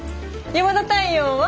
山田太陽は？